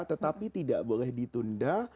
tetapi tidak boleh ditunda